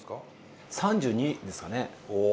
３２ですかね。